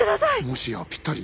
もしやぴったり？